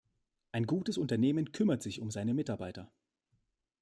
Ein gutes Unternehmen kümmert sich um seine Mitarbeiter.